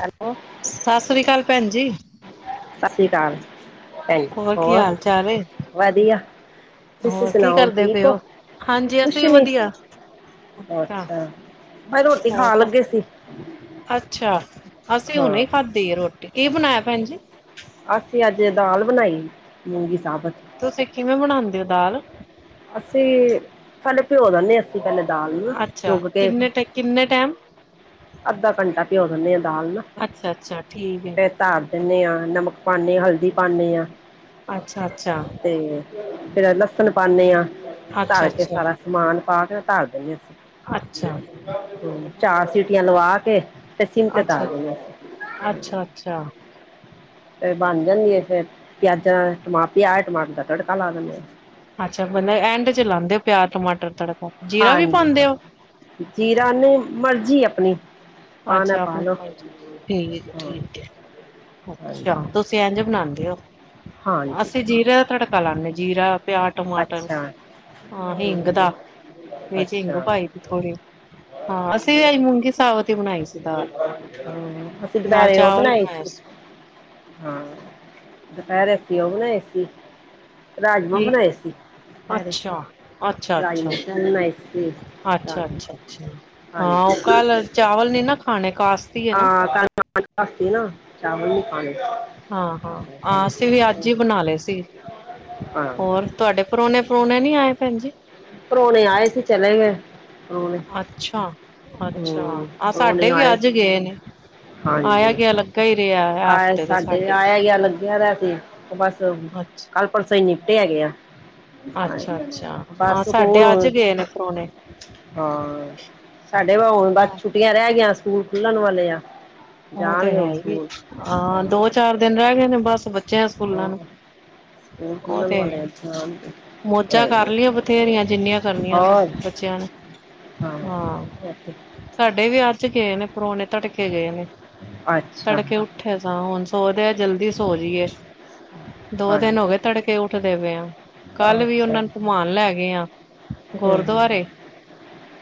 Hello. ਸਤਿ ਸ੍ਰੀ ਅਕਾਲ ਭੈਂਜੀ। ਸਤਿ ਸ੍ਰੀ ਕਾਲ ਭੈਣ ਕੀ ਹੋਰ ਹਾਲ ਚਾਲ ਏ? ਵਧੀਆ। ਤੁਸੀ ਹੋਰ ਕੀ ਸੁਣਾਓ ਕਰਦੇ ਪਏ ਠੀਕ ਓ? ਹਾਂਜੀ ਅਸੀਂ ਕੁਛ ਵੀ ਨੀ। ਵਧੀਆ, ਅੱਛਾ। ਹਯੇ ਰੋਟੀ ਹੋਰ ਖਾਣ ਕੁ ਲੱਗੇ ਸੀ। ਅੱਛਾ। ਅਸੀ ਹੁਣੇ ਹਾਂ ਈ ਖਾਧੀ ਏ ਰੋਟੀ। ਕੀ ਬਣਾਏਆ ਭੈਂਜੀ? ਅਸੀ ਅੱਜ ਦਾਲ ਬਨਾਈ, ਮੂੰਗੀ ਸਾਬਤ। ਤੁਸੀ ਕਿਵੇਂ ਬਣਾਂਦੇ ਓ ਦਾਲ? ਅਸੀ ਪੈਲੇ ਭਿਓ ਦੇਨੇ ਅਸੀ ਪੇਲੇ ਦਾਲ ਨੂੰ ਨਾ ਅੱਛਾ, ਚੁਗ ਕੇ। ਕਿੰਨੇ ਟ ਕਿੰਨੇ ਟੈਮ? ਅੱਧਾ ਘੰਟਾ ਪੇਓ ਦੇਨੇ ਆ ਦਾਲ ਨੂੰ ਨਾ ਅੱਛਾ ਅੱਛਾ ਠੀਕ ਏ, ਫੇਰ। ਧਰ ਦੇਨੇ ਆਂ। ਨਮਕ ਪਾਨੇ, ਹਲਦੀ ਪਾਨੇ ਆਂ। ਅੱਛਾ ਅੱਛਾ। ਤੇ ਫੇਰ ਐ ਲਸਨ ਪਾਨੇ ਆਂ। ਅੱਛਾ ਧਰ ਕੇ ਅੱਛਾ, ਸਾਰਾ। ਸਮਾਨ ਪਾ ਕੇ ਧਰ ਦੇਨੇ ਅਸੀ। ਅੱਛਾ। ਹੂੰ ਚਾਰ ਸੀਟੀਆਂ ਲਵਾ ਕੇ ਤੇ ਸਿਮ ਤੇ ਅੱਛਾ, ਧਰ ਦੇਨੇ ਅਸੀ। ਅੱਛਾ ਅੱਛਾ। ਫੇਰ ਬਨ ਜਾਂਦੀ ਏ ਫੇਰ ਪੇਆਜਾਂ ਦਾ ਪੇਆਜ ਟਮਾਟਰਾਂ ਦਾ ਤੜਕਾ ਲਾ ਦੇਨੇ ਆਂ। ਅੱਛਾ। ਬਨ ਐਂਡ ਚ ਲਾਂਦੇ ਓ ਪੇਆਜ ਟਮਾਟਰ ਤੜਕਾ। ਜੀਰਾ ਵੀ ਹਾਂਜੀ। ਪਾਉਂਦੇ ਓ? ਜੀਰਾ ਨੀ ਮਰਜੀ ਅਪਨੀ ਪਾਨਾ ਅੱਛਾ ਪਾ ਆਪਣੀ ਲੋੋ। ਮਰਜ਼ੀ, ਠੀਕ ਏ ਠੀਕ ਏ। ਅੱਛਾ, ਹਾਂਜੀ ਤੁਸੀ ਐਂਝ ਬਨਾਂਦੇ ਓ। ਹਾਂਜੀ ਅਸੀ ਜੀਰੇ ਦਾ ਤੜਕਾ ਲਾਨੇ ਜੀਰਾ, ਪੇਆਜ, ਟਮਾਟਰ। [unintelligible] ਵਿਚ ਹਿਂਗ ਅੱਛਾ ਪਾਈ ਦੀ ਥੋੜੀ। ਹਾਂ, ਅਸੀ ਵੀ ਅਜ ਮੂੰਗੀ ਸਾਬਤ ਹੀ ਬਣਾਈ ਸੀ ਦਾਲ ਅ ਅਸੀ ਨਾਲ ਦੁਪੈਰੇ ਓ ਚਾਵਲ ਬਣਾਈ ਬਣਾਇਆ ਸੀ। ਹਾਂ। ਦੁਪੈਰ ਅਸੀ ਓ ਬਨਾਈ ਸੀ। ਰਾਜਮਾ ਕੀ? ਬਣਾਏ ਸੀ। ਪੈਰੇ ਅੱਛਾ ਅੱਛਾ ਰਾਜਮਾ ਅੱਛਾ ਚੋਲ ਬਨਾਏ ਸੀ। ਅੱਛਾ ਅੱਛਾ ਅੱਛਾ ਹਾਂ ਹਾਂਜੀ ਉਹ ਕੱਲ ਚਾਵਲ ਨੀ ਨਾ ਖਾਣੇ ਕਾਸਤੀ ਹੈ ਨਾ ਹਾਂ, ਕਲ ਨਾ ਚਾਵਲ ਨੀ ਖਾਣੇ। ਹਾਂ ਹਾਂ। ਆ ਅਸੀ ਵੀ ਅੱਜ ਈ ਬਣਾ ਲੇ ਸੀ ਹਾਂ ਹੋਰ। ਤੁਹਾਡੇ ਪਰੋਨੇ ਪਰੂਨੇ ਨੀ ਆਏ ਭੈਂਜੀ? ਪਰੋਣੇ ਆਏ ਸੀ ਚਲੇ ਗਏ। ਪਰੋਣੇ। ਅੱਛਾ ਅੱਛਾ ਹੂੰ। ਆਹ ਪਰੋਣੇ ਸਾਡੇ ਵੀ ਆਏ ਅੱਜ ਗਏ ਨੇ ਸੀ। ਆਇਆ ਹਾਂਜੀ। ਗਿਆ ਲੱਗਾ ਹੀ ਰਿਹਾ ਹੈ ਆ ਹਫ਼ਤੇ ਦੇ ਸਾਡੇ ਆਏਆ ਗਯਾ ਲੱਗੇਆ ਦਾ ਸੀ। ਬਸ, ਅੱਛਾ ਕੱਲ ਪਰਸੋਂ ਈ ਨਿਪਟੇ ਹੈਗੇ ਆਂ। ਅੱਛਾ ਅੱਛਾ ਹਾਂ ਬਸ ਸਾਡੇ ਅੱਜ ਗਏ ਨੇ ਪਰੋਣੇ ਹਾਂ। ਸਾਡੇ ਵ ਹੋਣ ਬਸ ਛੁ ਛੱਟੀਆਂ ਰੈ ਗੀਆਂ ਸਕੂਲ ਖੁੱਲਣ ਵਾਲੇ ਆ। ਓ ਤੇ ਜਾਣਗੇ ਹੈ ਹੁਣ ਈ ਏ, ਸਕੂਲ ਹਾਂ ਦੋ-ਚਾਰ ਦੇਨ ਰੈ ਗੇ ਨੇ ਬਸ ਬਾ ਚੇਆ ਸਕੂਲਾਂ ਨੂੰ, ਹੋਰ ਓ ਤੇ ਹੈ ਈ ਹਾਂ ਮੋਜਾਂ ਕਰ ਲੀਆਂ ਬਥੇਰੀਆਂ ਜੀਨੀਆਂ ਕਰਨੀਆਂ ਸੀ, ਹੋਰ ਬੱਚੇਆਂ ਨੇ ਹਾਂ ਐ ਤੇ ਸਾਡੇ ਵੀ ਅੱਜ ਗੇ ਨੇ ਪਰੋਨੇ ਤੜਕੇ ਗਏ ਨੇ, ਅੱਛਾ ਤੜਕੇ ਉ ਠੈ ਸੋਂ ਹੁਣ ਸੋਦੇ ਜਲਦੀ ਸੋ ਜੀਏ ਦੋ ਹਾਂਜੀ ਦੇਨ ਹੋ ਗੇ ਤੜਕੇ ਉੱਠ ਦੇ ਪਏ ਆਂ ਕੱਲ ਵੀ ਅੱਛਾ ਓਨਾਂ ਨੂੰ ਕਮਾਨ ਲੈ ਗਏ ਆ, ਹਮ, ਗੁਰਦੁਆਰੇ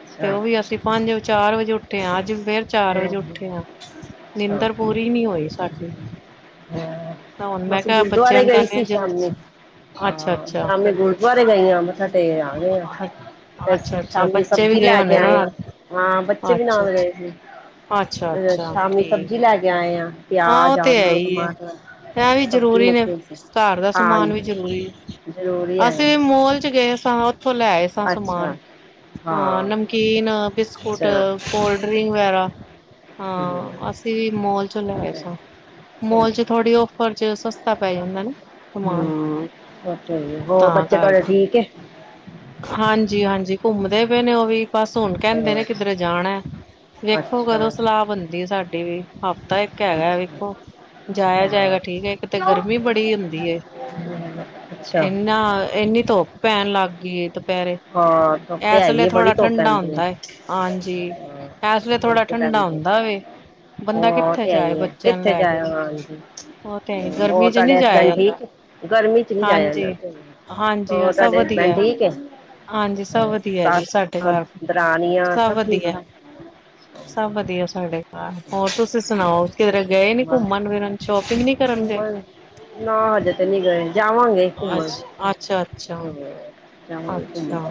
ਅੱਛਾ ਹਮ, ਓਵੀ ਅਸੀਂ ਪੰਜ-ਚਾਰ ਵਜੇ ਉੱਠੇ ਆਂ ਅੱਜ ਫੇਰ ਚਾਰ ਵਜੇ ਉੱਠੇ ਆ ਅੱਛਾ ਨੀਂਦਰ ਪੂਰੀ ਨੀ ਹੋਈ ਸਾਡੀ ਹਾਂ। ਤਾਂ ਹੁਣ ਮੈਂ ਬਸ ਕੇਆ ਬੱਚਿਆਂ ਗੁਰਦੁਆਰੇ ਨੂੰ ਗਈ ਕੈਂਨੇ ਆ ਸੀ ਜਲਦੀ ਸੋ, ਸ਼ਾਮੀ ਆਛ ਹਾਂ ਸ਼ਾਮੀ ਗੁਰਦੁਆਰੇ ਗਏ ਆਂ ਮੱਥਾ ਟੇ ਆ ਗਏ ਆਂ ਤੇ ਅੱਛਾ ਅੱਛਾ ਸ਼ਾਮੀ ਬੱਚੇ ਵੀ ਸਬਜ਼ੀ ਗਏ ਲੈ ਕੇ ਹੋਣੇ ਨਾ ਆਏ ਨਾਲ ਆਂ ਹਾਂ ਬੱਚੇ ਵੀ ਨਾਲ ਗਏ ਸੀ। ਅ ਆਛਾ-ਆਛਾ ਸ਼ਾਮੀ ਠੀਕ। ਸਬਜ਼ੀ ਲੈ ਕੇ ਆਏ ਆਂ। ਹਾਂ ਓ ਤੇ ਹੈ ਈ ਐ, ਐ ਵੀ ਸਬਜ਼ੀ ਜ਼ਰੂਰੀ ਮੁੱਕ ਨੇ ਗਈ ਸੀ ਘਰ ਦਾ ਹਾਂ ਸਮਾਨ ਵੀ ਜ਼ਰੂਰੀ ਐ। ਜ਼ਰੂਰੀ ਅਸੀਂ ਆਏ ਵੀ ਮੋਲ ਚ ਗਏ ਸਾਂ ਓਥੋਂ ਲੈ ਆਏ ਸਾਂ ਸਮਾਨ। ਅੱਛਾ ਹਾਂ ਨਮਕੀਨ ਬੇਸਕੁਟ ਅੱਛਾ ਕੋਲਡ੍ਰੀ ਵਗੈਰਾ, ਹਮ, ਹਾਂ ਅਸੀਂ ਵੀ ਮੋਲ ਚੋਂ ਲੈ ਆਏ ਤੇ- ਸਾਂ। ਤੇ- ਮੌਲ ਚ ਥੋੜੀ ਔਫਰ ਚ ਸਸਤਾ ਪੈ ਜਾਂਦਾ ਨਾ। ਸਮਾਨ ਹੂੰ, ਓ ਤੇ ਹੈਗਾ ਹੋਰ ਬੱਚੇ ਧਾਡੇ ਠੀਕ ਏ? ਹਾਂਜੀ-ਹਾਂਜੀ ਘੁੰਮਦੇ ਪਏ ਨੇ ਓ ਵੀ ਬਸ ਹੁਣ ਕੈਂਦੇ ਨੇ ਕੀਦਰੇ ਜਾਣਾ ਏ। ਅੱਛਾ ਵੇਖੋ ਕਦੋਂ ਅੱਛਾ ਸਲਾਅ ਬਣਦੀ ਏ ਸਾਡੀ ਵੀ ਹਫ਼ਤਾ ਏ ਕ ਹੈ ਅੱਛਾ, ਵੇਖੋ ਜਾਏਆ ਹਾਂ ਜਾਏਗਾ ਠੀਕ ਐ ਏਕ ਤੇ ਗਰਮੀ ਬੜੀ ਹੁੰਦੀ ਐ ਅੱਛਾ। ਨਾ ਐਨੀ ਧੁੱਪ ਪੈਣ ਲੱਗ ਗਈ ਏ ਦੁਪੈਰੇ ਹਾਂ ਧੁੱਪ ਤੇ ਐਸ ਹੈਗੀ ਲੇ ਹੈ ਬੜੀ ਥੋੜਾ ਧੁੱਪ ਠੰਡਾ ਪੈਂਦੀ ਹੈ ਹੁੰਦਾ ਏ, ਆਜੀ। ਹਾਂ, ਐਸ ਲੇ ਥੋੜਾ ਧੁੱਪ ਤੇ ਠੰਡਾ ਪੈਂਦੀ ਹੈ ਹੁੰਦਾ ਵੇ, ਹਾਂ ਬੰਦਾ ਉਹ ਕੀਥੇ ਤੇ ਹੈ ਜਾਏ ਹੀ ਹੈ ਬੱਚੇਆਂ ਨੂੰ ਕਿੱਥੇ ਲੈ ਕੇ। ਜਾਇਆ ਹਾਂਜੀ ਓ ਤੇ ਹੈ ਈ ਗਰਮੀ ਹੋਰ ਚ ਨੀ ਤੁਹਾਡੇ ਹਸਬੈਂਡ ਜਾਏਆ ਜਾਦਾ, ਠੀਕ ਹੈ? ਗਰਮੀ ਚ ਨਹੀਂ ਜਾਇਆ ਜਾਂਦਾ ਹਾਂਜੀ। ਤੇ। ਹਾਂਜੀ ਹਾਂ ਹੋਰ ਸਭ ਤੁਹਾਡੇ ਹਸਬੈਂਡ ਵਦੀਐ ਠੀਕ ਹੈ ਹਾਂਜੀ ਸਭ ਅੱਛਾ, ਵਦੀਐ ਜੀ ਸਾਡੇ ਸੱਸ ਘਰ, ਦਰਾਣੀਆਂ ਸਭ ਠੀਕ ਵਦੀਐ ਠਾਕ ਸਭ ਵਦੀਐ ਸਾਡੇ ਘਰ, ਹੋਰ ਤੁਸ ਸਣਾਓ ਕੀਦਰੇ ਗਏ ਨੀ ਬਸ ਘੁਮਨ ਫੀਰਨ ਸ਼ੋਪੀਂਗ ਨੀ ਕਰਨ ਗਏ? ਘੁੰਮਣ ਨਾ ਹਜ਼ੇ ਤੇ ਨੀ ਗਏ ਜਾਵਾਂਗੇ ਘੁਮਨ ਅੱਛਾ, ਅੱਛਾ, ਅੱਛਾ, ਅੱਛਾ।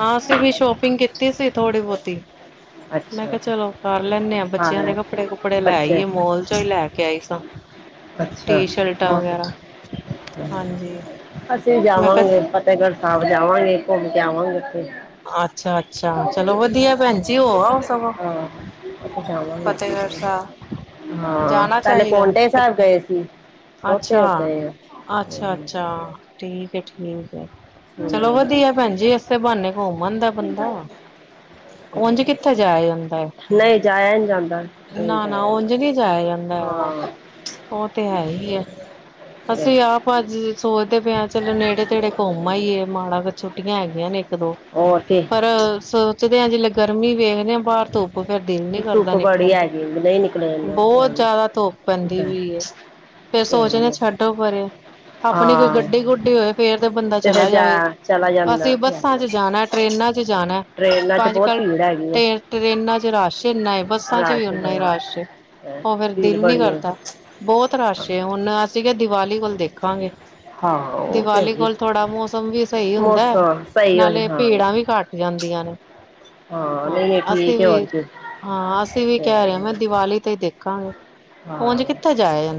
ਹਾਂ ਅਸੀਂ ਵੀ ਸ਼ੋਪਿੰਗ ਕੀਤੀ ਸੀ ਥੋੜ੍ਹੀ ਬਹੁਤੀ। ਮੈਂ ਅੱਛਾ ਕਿਹਾ ਚਲੋ ਕਰ ਲੈਣੇ ਆ ਬੱਚੇਆਂ ਹਾਂ ਦੇ ਕੱਪੜੇ-ਕੁੱਪੜੇ ਲੈ ਬੱਚੇ ਆਈਏ ਮੋਲ ਚੋਂ ਈ ਲੈ ਕੇ ਆਈ ਸਾਂ। ਅੱਛਾ ਟੀ ਛਾ ਸ਼ਰਟਾਂ ਹੋਰ ਵਗੈਰਾ ਕੁੱਛ, ਹਾਂਜੀ ਅਸੀਂ ਵੀ ਮੈਂ ਕਿਹਾ ਜਾਵਾਂਗੇ ਫਤ ਫ਼ਤੇਗੜ੍ਹ ਸਾਬ ਜਾਵਾਂਗੇ ਕੁਮ ਕੇ ਆਵਾਂਗੇ ਓਥੇ। ਆਛਾ-ਆਛਾ ਚਲੋ ਵਧੀਆ ਭੈਣ ਜੀ ਹੋ ਆਓ ਸਗੋ। ਹਾਂ ਜਾਵਾਂਗੇ ਅਪਾ ਸਾਰੇ ਹਾਂ ਜਾਣਾ ਪੈਲੇ ਪੋਂਟੇ ਸੈਬ ਗਏ ਸੀ। ਉੱਥੇ ਹੋ ਕੇ ਆਏ ਹਾਂ। ਹਮ, ਆਛਾ-ਆਛਾ-ਅੱਛਾ ਠੀਕ ਏ ਠੀ ਠੀਕ ਐ ਚਲੋ ਹਮ। ਵਧੀਆ ਪੈਨ ਜੀ ਏਸੇ ਬਾਣੇ ਕੌਮ ਆਂਦਾ ਬੰਦਾ। ਓੰੰਜ ਕਿੱਥੇ ਜਾਯਾ ਯੰਦਾ ਨਹੀਂ ਜਾਇਆ ਨਹੀਂ ਜਾਂਦਾ ਏ। ਨਹੀਂ ਨਾ-ਨਾ ਜਾਇਆ ਓੰਜ ਜਾਂਦਾ ਨੀ ਜਾਯਾ ਜਾਂਦਾ ਹੈਗਾ, ਹਾਂ ਓ ਤੇ ਹੈ ਈ ਏ। ਤੇ ਅਸੀ ਆਪ ਅੱਜ ਸੋਚਦੇ ਪੇ ਆ ਚਲੋ ਨੇੜੇ-ਤੇੜੇ ਕੌਮ ਆਇਏ ਮਾੜਾ ਕ ਛੁੱਟੀਆਂ ਹੈਗੀਆਂ ਨੇ ਏਕ-ਦੋ। ਔਰ ਕੀ ਪਰ ਸੋਚਦੇ ਆ ਜ਼ਿਲੇ ਗਰਮੀ ਵੇਖਣੇ ਆ ਬਾਰ ਤੋ ਪ ਫੇਰ ਦਿਲ ਨੀ ਕਰਦਾ ਧੁੱਪ ਬੜੀ ਨਿਕਲਣ ਤੇ ਹੈਗੀ ਨਹੀਂ ਨਿਕਲਿਆ ਜਾਂਦਾ ਤੇ ਬੋਤ ਜਾਦਾ ਤੋਪ ਪੈਂਦੀ ਆਈ ਪੀ ਏ। ਫੇਰ ਤੇ ਸੋਚਣੇ ਆਈ ਆ ਸ਼ਡੋ ਪਰੇ। ਅਪਣੀ ਕੋਈ ਹਾਂ ਗੱਡੀ-ਗੁੱਡੀ ਹੋਏ ਫੇਰ ਤੇ ਬੰਦਾ ਫਿਰ ਚਲਾ ਜਾ ਜਾਵੇ। ਚਲਾ ਜਾਂਦਾ ਅਸੀ ਉੱਥੇ ਬਸਾਂ ਚ ਹੈਗਾ ਜਾਣਾ। ਟ੍ਰੇਨਾਂ ਚ ਜਾਣਾ। ਟ੍ਰੇਨਾਂ ਚ ਬੋਤ ਪੀੜ ਹੈਗੀ ਏ। ਤ੍ਰੇਨਾਂ ਚ ਚ ਰਸ਼ ਏਨਾ ਏ ਬੱਸਾਂ ਚ ਵੀ ਓਨਾ ਈ ਹੈਗਾ ਰਸ਼ ਏ। ਹੈਂ ਓ ਫੇਰ ਭੀੜ ਦਿਲ ਨੀ ਬੜੀ ਹੈ ਕਰਦਾ ਬੋਤ ਰਸ਼ ਏ ਹੁਣ ਅਸੀ ਕੇਆ ਦੀਵਾਲੀ ਕੋਲ ਦੇਖਾਂਗੇ। ਹਾਂ ਉਹ ਤੇ ਦੀਵਾਲੀ ਹੈਗੀ ਕੋਲ ਥੋੜਾ ਮੌਸਮ ਵੀ ਸਈ ਹੁੰਦੈ। ਮੌਸਮ ਸਹੀ ਹੋ ਜਾ ਨਾਲੇ ਹਾਂ ਪੀੜ੍ਹਾ ਵੀ ਘੱਟ ਜਾਦੀਂਆ ਨੇ। ਹਾਂ ਨਹੀਂ ਨਹੀਂ ਅਸੀ ਠੀਕ ਹੈ ਵੀ ਹੋਰ ਕੀ ਹਾਂ ਅਸੀ ਵੀ ਕੈ ਰੇਆ ਨਾ ਦੀਵਾਲੀ ਤੇ ਈ ਦੇਖਾਂਗੇ। ਓੰਜ ਹਾਂ ਕਿੱਥੇ ਜਾਯਾ ਜਾਂ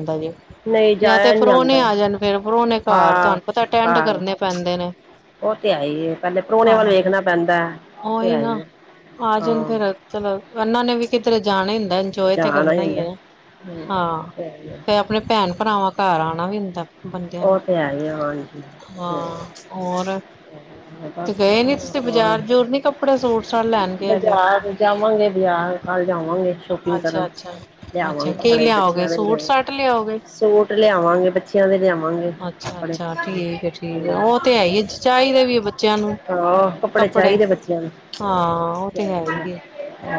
ਨਹੀਂ ਯਾ ਤੇ ਜਾਇਆ ਨਹੀਂ ਪਰੌਣੇ ਜਾਂਦਾ ਆ ਜਨ ਫੇਰ ਪਰੋਣੇ ਘੱਰ ਹਾਂ ਤੁਆਨੂੰ ਪਤਾ ਟੈਂਡ ਕਰਨੇ ਪੈਂਦੇ ਨੇ। ਓ ਤੇ ਐ ਈ ਏ ਪੈਲੇ ਪਰੌਣੇਆ ਵਲ ਹਾਂ। ਵੇਖਣਾ ਪੈਂਦੈ। ਓ ਤੇ ਉਹੀ ਐ ਈ ਨਾ। ਏ। ਆ ਜਣ ਫੇਰ ਚਲੋ ਐਨਾ ਨੇ ਵੀ ਕਿਧਰੇ ਜਾਣਾ ਈ ਹੁੰਦਾ। ਜੋਏ ਤੇ ਜਾਣਾ ਕਰਨਾ ਹੀ ਈ ਹੁੰਦਾ ਏ ਨਾ। ਹਮ ਹਾਂ ਫੇ ਓ ਅਪਣੇ ਪੈਣ-ਪਰਾਵਾਂ ਕਾਰ ਆਨਾ ਵੀ ਹੁੰਦਾ। ਬੰਦਿਆਂ ਨੂੰ। ਉਹ ਤੇ ਹੈ ਹੀ ਹੈ ਹਾਂਜੀ ਉਹ ਤੇ ਹੈ ਹੀ ਹਾਂ ਹੈ ਔਰ ਬਸ ਤੇ ਗਏ ਨੀ ਵਧੀਆ ਤੁਸੀ ਹੋਰ ਬਜ਼ਾਰ-ਬਜੂਰ ਨੀ ਕੱਪੜੇ ਸੂਟ-ਸਾਟ ਲੈਣ ਗਏ ਹਜੇ ਅਪਣਾ? ਵਾਂਗੇ ਬਜਾਰ ਕੱਲ ਜਾਵਾਂਗੇ। ਸ਼ੋਪਿੰਗ ਕਰਨ ਅੱਛਾ ਅੱਛਾ ਲਿਆਵਾਂਗੇ ਅੱਛਾ ਕੀ ਕੱਪੜੇ ਲਿਆਓਗੇ ਬੱਚਿਆਂ ਦੇ ਵੀ ਸੂਟ ਲੈਣੇ ਸਾਟ ਲਿਆਓਗੇ। ਸੂਟ ਤੇ ਲਿਆਵਾਂਗੇ ਬੱਚਿਆਂ ਦੇ ਲਿਆਵਾਂਗ। ਅੱਛਾ-ਅੱਛਾ, ਠੀਕ ਏ-ਠੀਕ ਏ। ਓ ਤੇ ਐ ਈ ਏ ਚਾਈਦੇ ਵੀ ਏ ਬੱਚਿਆਂ ਨੂੰ ਹਾਂ ਕੱਪੜੇ ਚਾਹੀਦੇ ਬੱਚਿਆਂ ਨੂੰ ਹਾਂ ਓ ਤੇ ਹੈ ਈ ਹਾਂ ਏ।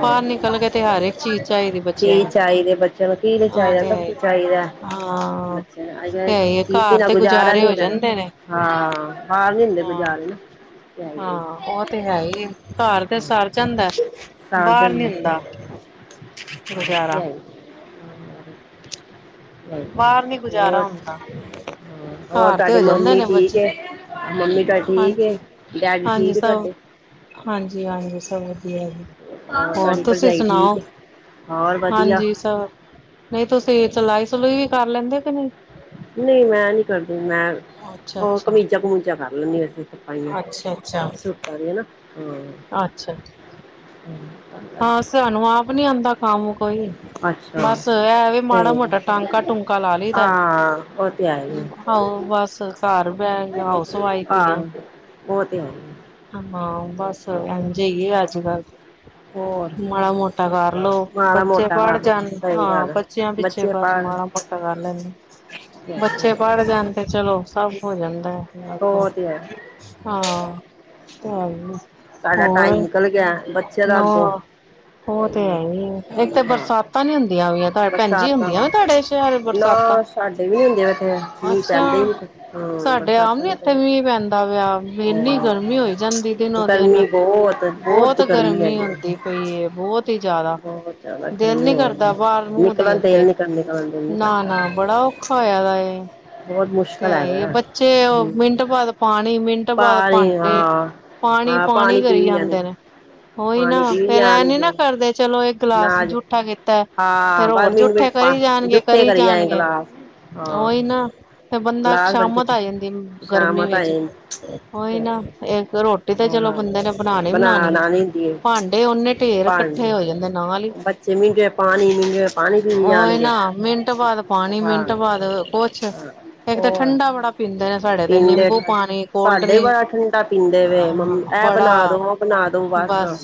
ਪਾਰ ਨਿਕਲਗੇ ਤੇ ਹਰ ਏਕ ਚੀਜ਼ ਚਾਈਦੀ ਬੱਚਿਆਂ ਨੂੰ ਕੀ ਨੀ ਹਾਂ ਚਾਈਦਾ ਤੇ ਸਭ ਹੈ ਕੁੱਛ ਚਾਇਦੈ। ਹਾਂ ਤੇ ਫੇਰ ਆਈ ਤੇ ਜਾਈ ਹੈ ਹੀ ਡਿਪੀ ਘਰ ਨਾ ਤੇ ਗੁਜ਼ਾਰਾ ਗੁਜ਼ਾਰੇ ਨੀ ਹੋ ਹੈਗਾ। ਜਾਂਦੇ ਨੇ ਹਾਂ ਬਾਰ ਨੀ ਹੁੰਦੇ ਹਾਂ ਗੁਜ਼ਾਰੇ ਨਾ। ਹਾਂ ਓ ਤੇ ਹੈ ਈ ਏ ਕੱਰ ਤੇ ਸਰ ਜਾਂਦਾ ਬਾਰ ਨੀ ਹੁੰਦਾ ਹਾਂ ਗੁਜ਼ਾਰਾ ਬਾਹਰ ਨੀ ਅੱਜ-ਕਲ ਗੁਜ਼ਾਰਾ ਹੋਰ ਹੁੰਦਾ ਹੋਰ ਘਰ ਤੇ ਤੁਆਡੀ ਹੋ ਜਾਂਦੇ ਮੰਮੀ ਨੇ ਠੀਕ ਬੱਚੇ ਏ ਮੰਮੀ ਤਾਡੇ ਠੀਕ ਏ ਡੈਡੀ ਠੀਕ ਏ ਤੁਆਡੇ? ਹਾਂਜੀ-ਹਾਂਜੀ ਸਭ ਵਧੀਆ ਜੀ ਹੋਰ ਤੁਹਾਡੀ ਤੁਸੀਂ ਭਰਜਾਈ ਸੁਣਾਓ ਠੀਕ ਹੈ ਹੋਰ ਵਧੀਆ। ਅੱਛਾ ਨਈ ਤੁਸੀਂ ਸਲਾਈ-ਸਲੂਈ ਵੀ ਕਰ ਲੈਂਦੇ ਓ ਕੇ ਨਈ ਨਈ ਮੈਂ ਨੀ ਕਰਦੀ ਮੈਂ ਅੱਛਾ ਓ ਅੱਛਾ ਕਮੀਜ਼ਾਂ-ਕੁਮੀਜਾਂ ਕਰ ਲੈਂਨੀ ਆ ਤਰਪਾਇਆਂ। ਅੱਛਾ-ਅੱਛਾ, ਸੁੱਟਾਂ ਦੀ ਹੈਨਾ, ਹਾਂ ਅੱਛਾ ਅੱਛਾ ਹੂੰ ਹਾਂ ਸਾਨੂੰ ਆਪ ਨੀ ਆਉਂਦਾ ਕੰਮ ਕੋਈ ਅੱਛਾ ਬਸ ਇਹ ਵੀ ਮਾੜਾ ਤੇ ਮੋਟਾ ਟਾਂਕਾ ਟੂੰਕਾ ਲਾ ਲਈਦਾ ਹਾਂ ਉਹ ਤੇ ਆਏ ਆਹੋ ਬਸ ਘਰ ਬੈਠ ਹਾਊਸ ਵਾਈਫ ਈ ਹਾਂ ਓ ਉਹ ਤੇ ਆਏ ਹਾਂ ਬੱਸ ਹਾਂਜੀ ਅੱਜ ਕੱਲ ਹੋਰ ਮਾੜਾ ਮੋਟਾ ਕਰਲੋ ਮਾੜਾ ਬੱਚੇ ਮੋਟਾ ਪੜ ਕੰਮ ਜਾਣ ਸਹੀ ਹਾਂ ਗੱਲ ਐ ਬੱਚਿਆਂ ਪਿੱਛੇ ਬੱਚੇ ਬਸ ਪੜ੍ਹਨ ਮਾੜਾ ਮੋਟਾ [unintelligible] ਬੱਚੇ ਪੜ ਜਾਣ ਤੇ ਚਲੋ ਸਭ ਹੋ ਜਾਂਦਾ ਐ ਉਹ ਤੇ ਹੈ ਹਾਂ ਚੱਲ ਸਾਡਾ ਹੋਰ ਟਾਈਮ ਨਿਕਲ ਗਿਆ [unintelligible] ਬੱਚਿਆਂ ਦਾ ਅੱਗੋਂ ਉਹ ਤੇ ਹੈ ਇਹੀ ਈ ਐ ਇੱਕ ਤਾਂ ਹਾਂ ਬਰਸਾਤਾਂ ਨੀ ਹੁੰਦੀਆਂ ਪਈਆਂ ਭੈਣਜੀ ਬਰਸਾਤਾਂ ਹੁੰਦੀਆਂ ਦਾ ਵ ਤੁਹਾਡੇ ਸ਼ਹਿਰ ਬਰਸਾਤਾਂ ਨਾ ਸਾਡੇ ਵੀ ਨੀ ਹੁੰਦੇ ਇਥੇ ਮੀਂਹ ਪੈਂਦੇ ਨੀ ਪੇ ਹੂੰ ਬਰਸਾਤ ਨ ਇੱਥੇ ਮੀਂਹ ਪੈਂਦਾ ਪਿਆ ਇੰਨੀ ਹਾਂ ਗਰਮੀ ਹੋਈ ਜਾਂਦੀ ਦਿਨੋ ਦਿਨ ਗਰਮੀ ਬਹੁਤ ਬਹੁਤ ਗਰਮੀ ਹੈਗੀ ਐ ਹੁੰਦੀ ਪਈ ਏ ਬਹੁਤ [unintelligible] ਜਿਆਦਾ ਬਹੁਤ ਜ਼ਿਆਦਾ ਦਿਲ ਗਰਮੀ ਨੀ ਹੋ ਕਰਦਾ ਰਹੀ ਐ ਬਾਹਰ ਮੂੰਹ ਨਿਕਲਣ ਦੇਣ ਦਿਲ ਤੇ ਨੀ ਕਰਦਾ ਨਿਕਲਣ ਦਿਲ ਨੀ ਨਾ ਕਰਦਾ ਨਾ ਬੜਾ ਔਖਾ ਹੋਇਆ ਦਾ ਏ ਬਹੁਤ ਤੇ ਮੁਸ਼ਕਿਲ ਆਈ ਹੈਗਾ ਬੱਚੇ ਉਹ ਹੂੰ ਮਿੰਟ ਬਾਅਦ ਪਾਣੀ ਮਿੰਟ ਬਾਅਦ ਪਾਣੀ ਭਾਂਡੇ ਹਾਂ ਪਾਣੀ ਹਾਂ ਪਾਣੀ ਪੀ ਕਰੀ ਵੀ ਜਾਂਦੇ ਨੇ ਉਹੀ ਪਾਣੀ ਨਾ ਪੀ ਫੇਰ ਐ ਨੀ ਜਾਣਗੇ ਨਾ ਕਰਦੇ ਚਲੋ ਇਕ ਗਲਾਸ ਅਨਾਜ ਜੂਠਾ ਕੀਤਾ ਹਾਂ ਫੇਰ ਬਸ ਹੋਰ ਮਿੰਟ ਜੂਠੇ ਮਿੰਟ ਪਾ ਕਰੀ ਜਾਣਗੇ ਜੁੱਠੇ ਕਰੀ ਜਾਏ ਜਾਣਗੇ ਗਲਾਸ ਹਾਂ ਉਹੀ ਨਾ ਤੇ ਬੰਦਾ ਗਲਾਸ ਬੜੇ ਸ਼ਾਮਤ ਜੁੱਠੇ ਆ ਜਾਂਦੀ ਗਰਮੀ ਸ਼ਾਮ ਤਾਂ ਵਿੱਚ ਉਹੀ ਨਾ ਇੱਕ ਰੋਟੀ ਰੋਟੀ ਤੇ ਚਲੋ ਹਾਂ ਬੰਦੇ ਨੇ ਬਣਾਉਣੀ ਬਣਾ ਬਣਾਉਣੀ ਐ ਲਾਣੀ ਹੁੰਦੀ ਏ ਭਾਂਡੇ ਓਨੇ ਢੇਰ ਇਕੱਠੇ ਪਾਣੀ ਹੋ ਜਾਂਦੇ ਨਾਲ ਈ ਬੱਚੇ [unintelligible] ਪਾਣੀ [unintelligible] ਪਾਣੀ ਪੀ ਉਹੀ ਜਾਣਗੇ ਨਾ ਮਿੰਟ ਬਾਅਦ ਪਾਣੀ ਹਾਂ ਮਿੰਟ ਬਾਅਦ ਕੁਛ ਹਾਂ ਇੱਕ ਤਾਂ ਹੋਰ ਠੰਡਾ ਬੜਾ ਪੀਂਦੇ ਨੇ ਸਾਡੇ ਤੇ ਪੀਂਦੇ ਨਿੰਬੂ ਠ ਪਾਣੀ ਕੋਲਡ ਸਾਡੇ ਡਰਿੰਕ ਬੜਾ ਠੰਡਾ ਪੀਂਦੇ ਵੇ ਹਾਂ ਮੰਮੀ ਇਹ ਬਣਾ ਦੋ ਬੜਾ ਉਹ ਬਣਾ ਦੋ ਬਸ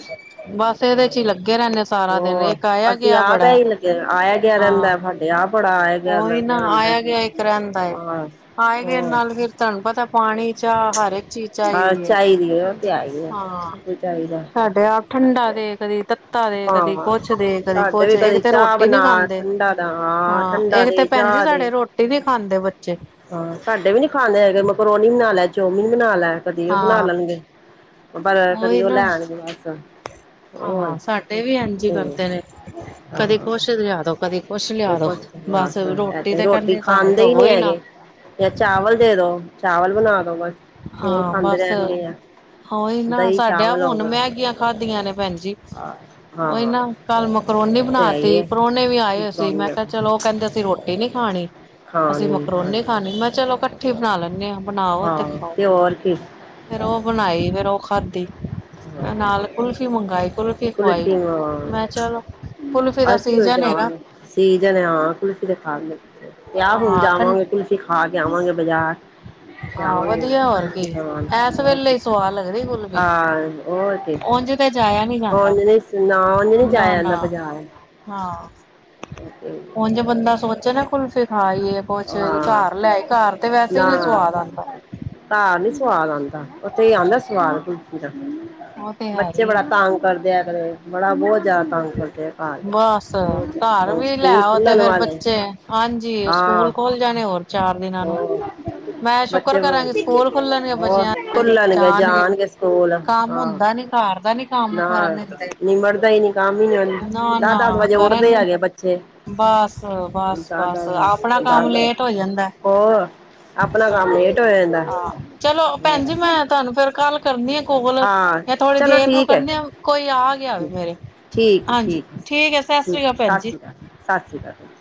ਬਸ ਇਹਦੇ ਹਾਂ ਚ ਹੀ ਲੱਗੇ ਰਹਿੰਦੇ ਸਾਰਾ ਦਿਨ ਹੋਰ ਆਇਆ ਅਸੀਂ ਗਿਆ ਆਪ ਬੜਾ ਈ ਲੱਗੇ ਆਇਆ ਗਿਆ ਹਾਂ ਰਹਿੰਦਾ ਸਾਡੇ ਆਪ ਬੜਾ ਆਇਆ ਗਿਆ ਉਹੀ ਨਾ ਲੱਗਿਆ ਰਹਿੰਦਾ ਆਇਆ ਗਿਆ ਇੱਕ ਰਹਿੰਦਾ ਹਾਂ ਆਏ ਵੀ ਇਹ ਹੂੰ ਨਾਲ ਫਿਰ ਤੁਹਾਨੂੰ ਪਤਾ ਪਾਣੀ ਚਾਹ ਹਰ ਇੱਕ ਚੀਜ਼ ਹਾਂ ਚਾਹੀਦੀ ਐ ਹੈ ਉਹ ਤੇ ਹੈ ਹੀ ਹੈ ਹਾਂ ਸਭ ਕੁਝ ਚਾਹੀਦਾ ਸਾਡੇ ਆਪ ਠੰਡਾ ਦੇ ਕਦੇ ਤੱਤਾ ਦੇ ਕਦੀ ਭਾਵਾਂ ਕੁਛ ਦੇ ਕਦੀ ਸਾਡੇ ਕੁਛ ਵੀ ਇੱਕ ਕਦੇ ਤੇ ਚਾਹ ਰੋਟੀ ਨੀ ਬਣਾ ਖਾਂਦੇ ਠੰਡਾ ਦਾ ਹਾਂ ਠੰਡਾ ਇਹ ਤੇ ਦੇ ਭੈਣ ਜ ਚਾਹ ਦੇ ਸਾਡੇ ਰੋਟੀ ਵੀ ਖਾਂਦੇ ਬੱਚੇ ਹਾਂ ਸਾਡੇ ਵੀ ਨੀ ਖਾਂਦੇ ਹੈਗੇ ਮਕਰੋਨੀ ਬਣਾ ਲੈ ਚੋਮਮੀਨ ਬਣਾ ਲੈ ਕਦੇ ਉਹ ਬਣਾ ਹਾਂ ਲੈਣਗੇ ਪਰ ਕਦੀ ਉਹ ਲੈ ਆਉਣਗੇ ਬਸ ਹੋਰ ਹ ਸਾਡੇ ਵੀ ਇੰਝ ਹੀ ਤੇ ਕਰਦੇ ਨੇ ਹਾਂ ਕਦੀ ਕੁਛ ਲਿਆ ਦੋ ਕਦੀ ਕੁਛ ਲਿਆ ਦੋ ਕੁਛ ਬਸ ਇਹ ਤੇ ਰੋਟੀ ਕਹਿੰਦੇ ਸਾਨੂੰ ਖਾਂਦੇ ਈ ਦਵੋ ਨੀ ਹੀ ਨਾ ਹੈਗੇ ਜਾਂ ਚਾਵਲ ਦੇ ਦੋ ਚਾਵਲ ਬਣਾ ਦੋ ਬਸ ਚੌਲ ਹਾਂ ਖਾਂਦੇ ਬੱਸ ਰਹਿਣਗੇ ਆ ਉਹੀ ਨਾ ਦਹੀਂ ਸਾਡਿਆਂ ਚਾਵਲ ਹੋ ਹੁਣ ਗਏ ਮੈਗੀਆਂ ਖਾਦੀਆਂ ਨੇ ਭੈਣਜੀ ਹਾਂ ਓਈ ਹਾਂ ਨਾ ਕੱਲ ਮੈਂਕਰੋਨੀ ਤੇ ਬਣਾ ਹੈ ਹੀ ਤੀ ਹੈ ਪ੍ਰੋਹਣੇ ਵੀ ਆਏ ਹੋਏ ਸੀ ਕਰਾਉਣੀ ਮੈਂ ਆ ਕਿਹਾ ਚਲੋ ਉਹ ਕਹਿੰਦੇ ਅਸੀਂ ਰੋਟੀ ਨੀ ਖਾਣੀ ਹਾਂ ਅਸੀਂ ਏ ਮਕਰੋਨੀ ਹਾਂਜੀ ਮੈਂ ਚਲੋ ਇਕੱਠੀ ਬਣਾ ਲੈਂਦੇ ਹਾਂ ਬਣਾਓ ਤੇ ਹਾਂ ਖਾਓ ਹੋਰ ਕੀ ਫੇਰ ਉਹ ਬਣਾਈ ਫੇਰ ਉਹ ਖਾਧੀ ਨਾਲ ਕੁਲਫੀ ਮੰਗਵਾਈ ਕੁਲਫੀ ਖਵਾਈ ਮੈਂ ਕਿਹਾ ਚਲੋ ਕੁਲਫੀ ਦਾ ਅਸੀਂ ਵੀ ਸੀਜਨ ਏ ਨਾ ਜਾਵਾਂਗੇ ਸੀਜਨ ਆ ਕੁਲਫੀ ਦੇ ਖਾ ਆਹ ਹੁਣ ਹਾਂ ਠੰ ਜਾਵਾਂਗੇ ਕੁਲਫ਼ੀ ਖਾ ਕੇ ਆਵਾਂਗੇ ਬਾਜ਼ਾਰ ਹਾਂ ਜਾਵਾਂ ਗੇ ਵਧੀਆ ਹੋਰ ਕੀ ਕੁਲਫੀ ਖਾਵਾਨ, ਇਸ ਵੇਲੇ ਹੀ ਸਵਾਦ ਲੱਗਦੀ ਕੁਲਫੀ ਆਹ ਓਕੇ ਉਝ ਤੇ ਜਾਇਆ ਨਹੀਂ ਉਹ ਜਾਂਦਾ ਨਾ ਨਾਲ ਨੀ ਲੈਂ ਨਾ ਜਾਇਆ ਨਾ ਜਾਂਦਾ ਬਾਜ਼ਾਰ, ਹਾਂ ਉਝ ਬੰਦਾ ਸੋਚੇ ਨਾ ਕੁਲਫੀ ਖਾਂ ਆਈਏ, ਕੁਛ ਹਾਂ ਘਰ ਲੈਏ ਘਰ ਤੇ ਵੈਸੇ ਨਾ ਵੀ, ਘਰ ਨੀ ਸਵਾਦ ਆਂਦਾ ਉੱਥੇ ਈ ਆਉਂਦਾ ਹਾਂ ਸ- ਕੁਲਫੀ ਦਾ ਉਹ ਤੇ ਹੈ ਬੱਚੇ ਹੀ ਬੜਾ ਤਾਂਗ ਕਰਦੇ ਆ, ਬੜਾ ਬੋਜ ਜਾ- ਬਸ ਘਰ ਹੁਣ ਵੀ ਲੈ ਸਕੂਲ ਆਓ ਤੇ ਖੁੱਲਣ ਫੇਰ ਵਾਲੇ ਬੱਚੇ, ਹਾਂਜੀ ਹਾਂ ਸਕੂਲ ਖੂਲ ਜਾਣੇ ਹੋਰ। ਚਾਰ ਦਿਨਾਂ ਨੂੰ ਮੈਂ ਸ਼ੁਕਰ ਬੱਚੇ ਕਰਾਂਗੀ ਸਕੂਲ ਖੁੱਲਣਗੇ ਹੋਰ ਬੱਚਿਆਂ ਖੂਲ ਜਾਣਗੇ, ਜਾਣਗੇ। ਸੋਲ ਕੰਮ ਹਾਂ ਹੁੰਦਾ ਨੀ ਘਰ ਦਾ ਨੀ ਕੰਮ ਕਰਨ ਨਾਲ ਦਿੰਦੇ ਮਰਦਾ ਈ ਨੀ, ਕੰਮ ਹੀ ਨੀ ਨਾ ਹੋਂਦਾ ਦਸ- ਨਾ ਦਸ ਵਜੇ ਕਰਨ ਉਠਦੇ ਨੀ ਹੈਗੇ ਬੱਚੇ ਬਸ- ਬਸ, ਦਸ ਬਸ ਆਪਣਾ ਦਸ ਕੰਮ- ਦਸ ਲੇਟ ਹੋ ਜਾਂਦਾ, ਹੋਰ ਆਪਣਾ ਕੰਮ ਹਾਂਜੀ ਲੇਟ ਹੋ ਜਾਂਦਾ ਹਾਂ ਚਲੋ ਭੈਣ ਜੀ ਮੈਂ- ਤੁਹਾਨੂੰ ਫੇਰ ਕੱਲ ਕਰਨੀ ਆ ਕੋਲ ਹਾਂ ਜਾਂ ਥੋੜੀ ਚਲੋ ਦੇਰ ਨੂੰ ਠੀਕ ਹੈ ਕਰਨੀ ਆ, ਕੋਈ ਆ ਗਿਆ ਵੇ ਠੀਕ ਮੇਰੇ। ਠੀਕ ਹੈ- ਹਾਂਜੀ ਠੀਕ ਹੈ ਸਤਿ ਸ੍ਰੀ ਠੀਕ ਅਕਾਲ ਭੈਣ ਸਤਿ ਜੀ ਸ਼੍ਰੀ ਅਕਾਲ ਸਤਿ ਸ਼੍ਰੀ ਅਕਾਲ ਜੀ।